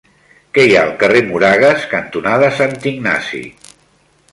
Què hi ha al carrer Moragas cantonada Sant Ignasi?